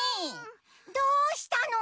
どうしたの？